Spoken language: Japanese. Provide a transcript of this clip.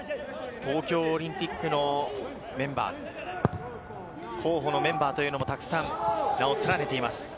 東京オリンピックのメンバー候補のメンバーというのもたくさん名を連ねています。